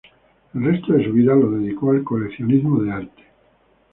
El resto de su vida lo dedicó al coleccionismo de arte.